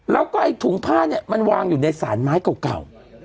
แล้วก็ไอ้ถุงผ้าเนี่ยมันวางอยู่ในสารไม้เก่า